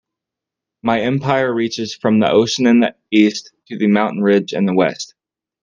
My empire reaches from the ocean in the East to the mountain ridge in the West.